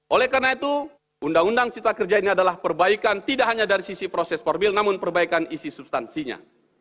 oleh karena itu undang undang cipta kerja ini adalah perbaikan tidak hanya dari sisi proses formil namun perbaikan isi substansinya